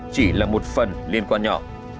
chỉ là một phần liên quan nhỏ